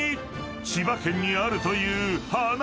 ［千葉県にあるという花絶景］